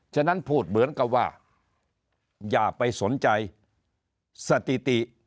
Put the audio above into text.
ฉะนั้นพูดเหมือนกับว่าอย่าไปสนใจสถิติ